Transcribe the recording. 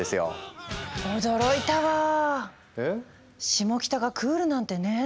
シモキタがクールなんてねぇ。